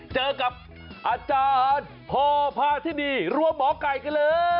เจอกับอาจารย์โภภาษณีย์รัวหมอไก่กันเลย